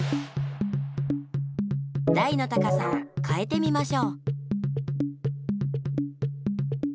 だいの高さをかえてみましょう。